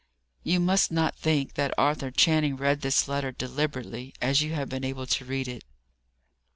You must not think that Arthur Channing read this letter deliberately, as you have been able to read it.